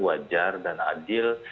wajar dan adil